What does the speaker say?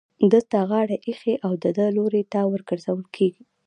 ده ته غاړه ايښې او د ده لوري ته ورگرځول كېږي.